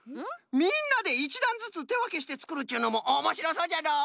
みんなで１だんずつてわけしてつくるっちゅうのもおもしろそうじゃのう。